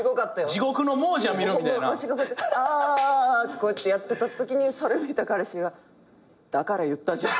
こうやってやってたときにそれ見た彼氏が「だから言ったじゃん」